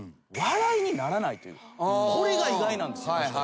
これが意外なんですよ。